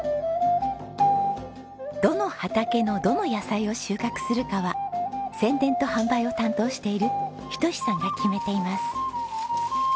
どの畑のどの野菜を収穫するかは宣伝と販売を担当している仁さんが決めています。